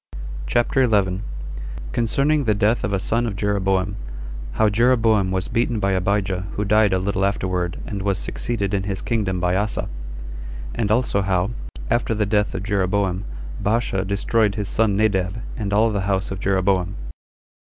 CHAPTER 11. Concerning The Death Of A Son Of Jeroboam. How Jeroboam Was Beaten By Abijah Who Died A Little Afterward And Was Succeeded In His Kingdom By Asa. And Also How, After The Death Of Jeroboam Baasha Destroyed His Son Nadab And All The House Of Jeroboam.